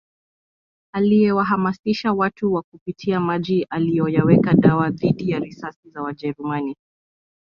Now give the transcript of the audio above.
aliyewahamisisha watu kwa kupitia maji aliyoyaweka dawa dhidi ya risasi za Wajerumani